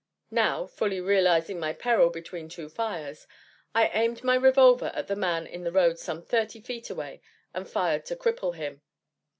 Now, fully realizing my peril between two fires, I aimed my revolver at the man in the road some thirty feet away, and fired to cripple him.